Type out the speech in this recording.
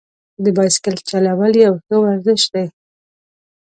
د بایسکل چلول یو ښه ورزش دی.